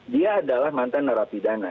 dia adalah mantan narapidana